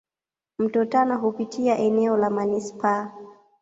Mto Tana hupitia eneo la manispaa.